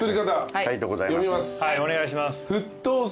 はいお願いします。